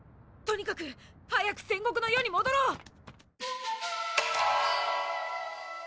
とにかく早く戦国の世に戻ろう！